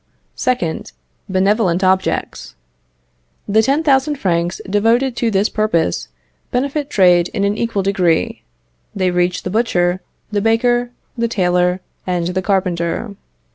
2nd. Benevolent objects. The 10,000 francs devoted to this purpose benefit trade in an equal degree; they reach the butcher, the baker, the tailor, and the carpenter.